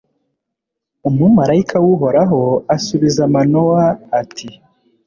umumalayika w'uhoraho asubiza manowa, ati